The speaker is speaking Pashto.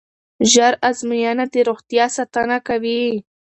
ژر ازموینه د روغتیا ساتنه کوي.